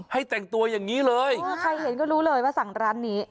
ให้แต่งตัวอย่างนี้เลยคือใครเห็นก็รู้เลยว่าสั่งร้านนี้